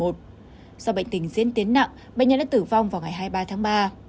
do bệnh tình diễn tiến nặng bệnh nhân đã tử vong vào ngày hai mươi ba tháng ba